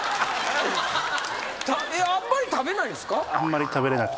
あんまり食べないんですか？